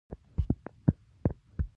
د افغانستان په منظره کې وادي ښکاره ده.